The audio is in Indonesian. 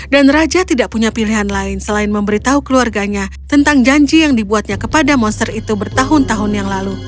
dan raja tidak punya pilihan lain selain memberitahu keluarganya tentang janji yang dibuatnya kepada monster itu bertahun tahun yang lalu